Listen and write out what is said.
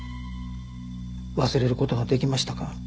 忘れる事ができましたか？